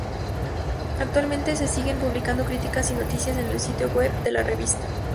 Actualmente se siguen publicando críticas y noticias en el sitio web de la revista.